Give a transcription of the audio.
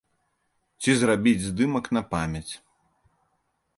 Ці зрабіць здымак на памяць.